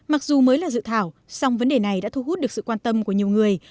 mặc dù mới là dự thảo song vấn đề này đã thu hút được sự quan tâm của nhiều người